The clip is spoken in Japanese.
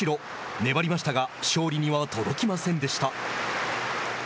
粘りましたが勝利には届きませんでした。